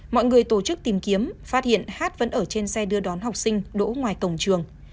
mọi người tổ chức tìm kiếm phát hiện hát vẫn ở trên xe đưa đón học sinh đỗ ngoài cổng trường